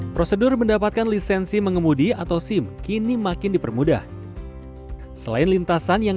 prosedur mendapatkan lisensi mengemudi atau sim kini makin dipermudah selain lintasan yang